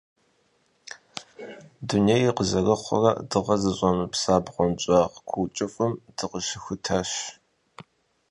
Дунейр къызэрыхъурэ дыгъэ зыщӀэмыпса бгъуэнщӀагъ куу кӀыфӀым дыкъыщыхутащ.